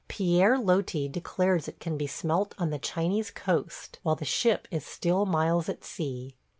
Pierre Loti declares it can be smelt on the Chinese coast, while the ship is still miles at sea.